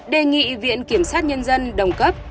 đề nghị viện kiểm sát nhân dân đồng cấp